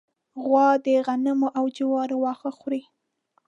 غوا د غنمو او جوارو واښه خوري.